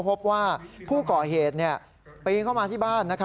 พบว่าผู้ก่อเหตุปีนเข้ามาที่บ้าน